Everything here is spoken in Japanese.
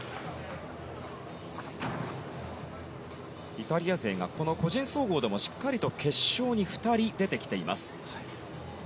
イタリア勢が個人総合でもしっかりと決勝に２人出てきています。